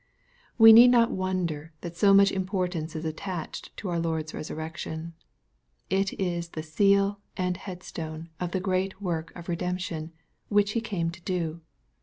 We need not wonder that so much importance is attached to our Lord's resurrection. It is the seal and headstone of the great work of redemption, which He came to do.